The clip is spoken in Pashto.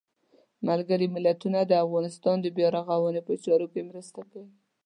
ملګري ملتونه د افغانستان د بیا رغاونې په چارو کې مرسته کوي.